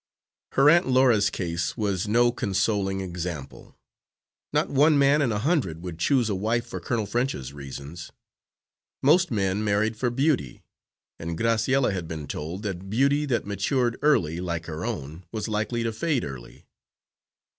Her Aunt Laura's case was no consoling example. Not one man in a hundred would choose a wife for Colonel French's reasons. Most men married for beauty, and Graciella had been told that beauty that matured early, like her own, was likely to fade early.